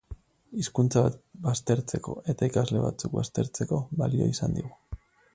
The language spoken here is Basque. Hizkuntza bat baztertzeko eta ikasle batzuk baztertzeko balio izan digu.